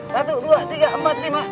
satu dua tiga empat lima